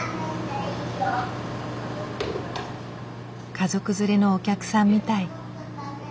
家族連れのお客さんみたい。